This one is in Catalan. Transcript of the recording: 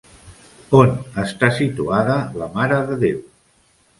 On està situada la Mare de Déu?